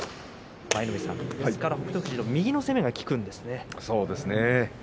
舞の海さん、北勝富士の右の攻めが効くんですね。